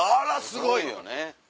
すごいよね。